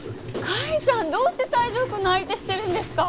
甲斐さんどうして西条くんの相手してるんですか？